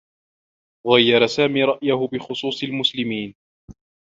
غيّر سامي رأيه بخصوص المسلمين.